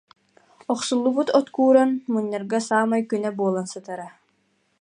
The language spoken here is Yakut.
Охсуллубут от кууран, мунньарга саамай күнэ буолан сытара